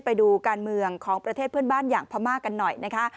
ไปดูการเมืองของประเทศเพื่อนบ้านอย่างพม่ากันหน่อยนะคะ